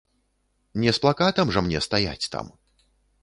Не з плакатам жа мне стаяць там.